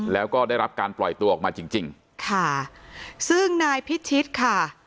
แล้วก็ได้รับการปล่อยตัวออกมาจริงจริงค่ะซึ่งนายพิชิตค่ะ